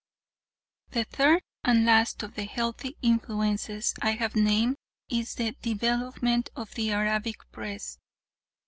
The third and last of the healthy influences I have named is the development of the Arabic Press.